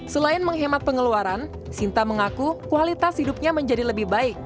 selain menghemat pengeluaran sinta mengaku kualitas hidupnya menjadi lebih baik